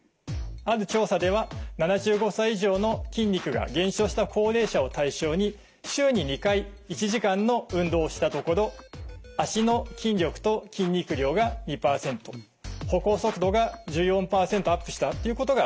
ある調査では７５歳以上の筋肉が減少した高齢者を対象に週に２回１時間の運動をしたところ足の筋力と筋肉量が２％歩行速度が１４％アップしたということが分かっています。